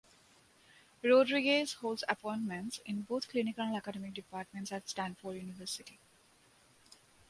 Rodriguez holds appointments in both clinical and academic departments at Stanford University.